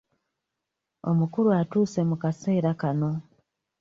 Omukulu atuuse mu kaseera kano.